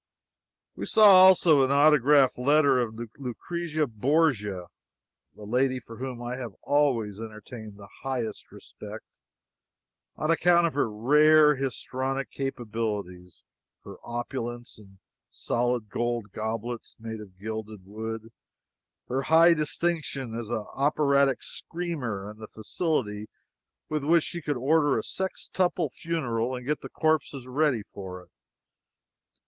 We saw also an autograph letter of Lucrezia Borgia, a lady for whom I have always entertained the highest respect, on account of her rare histrionic capabilities, her opulence in solid gold goblets made of gilded wood, her high distinction as an operatic screamer, and the facility with which she could order a sextuple funeral and get the corpses ready for it.